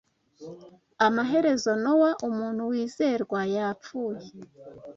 Amaherezo Nowa umuntu wizerwa yapfuye